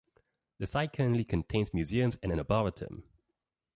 The site currently contains museums and an arboretum.